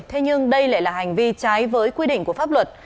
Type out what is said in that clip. thế nhưng đây lại là hành vi trái với quy định của pháp luật